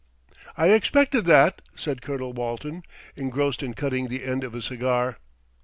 "I expected that," said Colonel Walton, engrossed in cutting the end of a cigar.